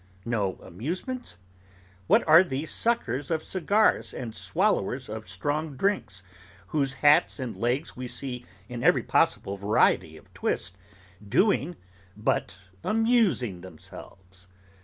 No amusements? What are these suckers of cigars and swallowers of strong drinks, whose hats and legs we see in every possible variety of twist, doing, but amusing themselves?